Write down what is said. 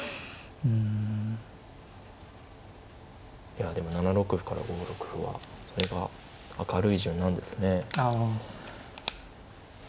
いやでも７六歩から５六歩はそれが明るい順なんですね。